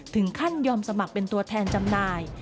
ถึงขั้นยอมสมัครเป็นตัวแทนจำหน่าย